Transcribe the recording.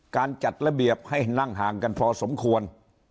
การจัดระเบียบให้นั่งห่างกันพอสมควร